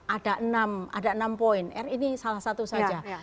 ada enam ada enam poin r ini salah satu saja